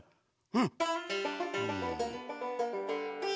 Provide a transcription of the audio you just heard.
うん。